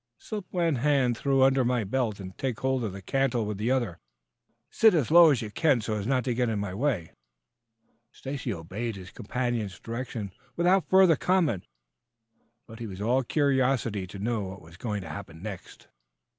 "Slip one hand through under my belt and take hold of the cantle with the other. Sit as low as you can so as not to get in my way." Stacy obeyed his companion's directions without further comment, but he was all curiosity to know what was going to happen next.